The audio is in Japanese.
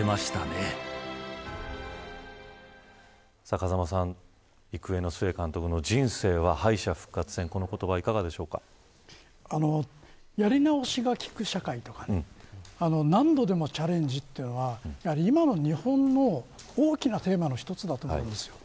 風間さん、育英の須江監督の人生は敗者復活戦やり直しがきく社会とか何度でもチャレンジというのは今の日本の、大きなテーマの一つだと思うんですよ。